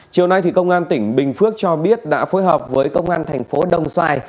chiều nay công an tỉnh bình phước cho biết đã phối hợp với công an tp đồng xoài